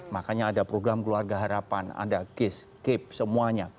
makanya ada program keluarga harapan ada ges kip semuanya